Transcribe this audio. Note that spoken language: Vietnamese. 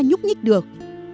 nhúc nhích được